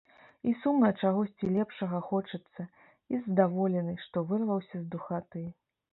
І сумна, чагосьці лепшага хочацца, і здаволены, што вырваўся з духаты.